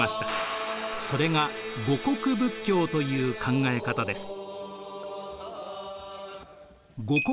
それが護国仏教という考え方です。